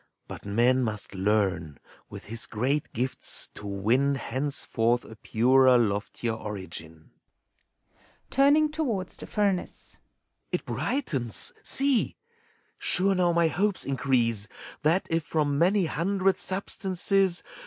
But Man must learn, with his great gifts, to win , Henceforth a purer, loftier origin. (Turning towards the furnace,) It brightens, — see ! Sure, now, my hopes increase That if, from many hundred substances.